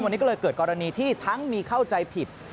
วันนี้ก็เลยเกิดกรณีที่ทั้งมีเข้าใจผิด